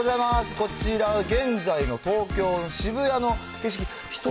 こちらは現在の東京の渋谷の景色。